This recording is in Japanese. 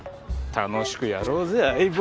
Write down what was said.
楽しくやろうぜ相棒！